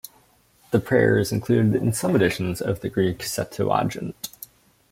The prayer is included in some editions of the Greek Septuagint.